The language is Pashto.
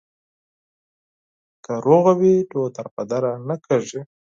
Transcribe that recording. که سوله وي نو دربدره نه کیږي.